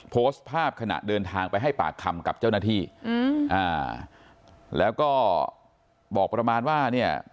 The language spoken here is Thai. โพสต์ภาพขณะเดินทางไปให้ปากคำกับเจ้าหน้าที่อืมอ่าแล้วก็บอกประมาณว่าเนี่ย